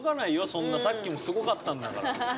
そんなさっきもすごかったんだから。